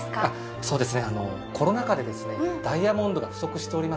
そうですね。